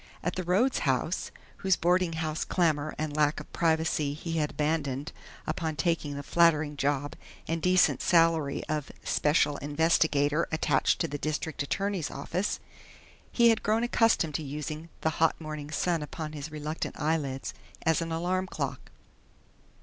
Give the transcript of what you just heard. At the Rhodes House, whose boarding house clamor and lack of privacy he had abandoned upon taking the flattering job and decent salary of "Special Investigator attached to the District Attorney's office," he had grown accustomed to using the hot morning sun upon his reluctant eyelids as an alarm clock.